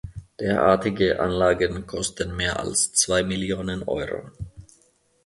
Derartige Anlagen kosten mehr als zwei Millionen Euro.